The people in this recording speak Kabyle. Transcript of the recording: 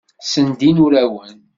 Ssendin urawen.